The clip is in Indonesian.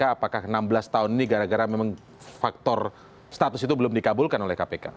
apakah enam belas tahun ini gara gara memang faktor status itu belum dikabulkan oleh kpk